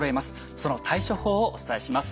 その対処法をお伝えします。